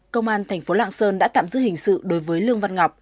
công an thành phố lạng sơn đã tạm giữ hình sự đối với lương văn ngọc